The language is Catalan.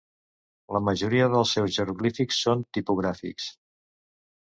La majoria dels seus jeroglífics són tipogràfics.